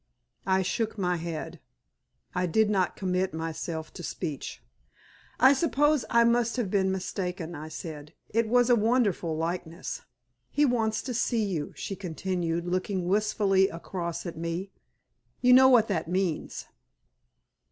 I shook my head. I did not commit myself to speech. "I suppose I must have been mistaken," I said. "It was a wonderful likeness." "He wants to see you," she continued, looking wistfully across at me. "You know what that means?"